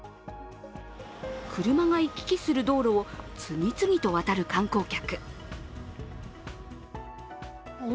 車が行き来する道路を次々と渡る観光客。